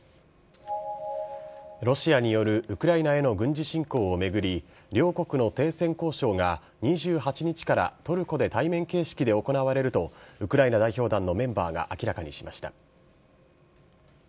ロシアによるウクライナへの軍事侵攻を巡り、両国の停戦交渉が２８日からトルコで対面形式で行われると、ウクライナ代表団のメンバーが明らかにしました。